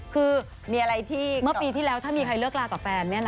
คือเมื่อปีที่แล้วถ้ามีใครเลือกลากับแฟนเนี่ยนะ